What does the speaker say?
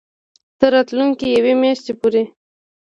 تر راتلونکې یوې میاشتې پورې